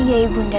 iya ibu nda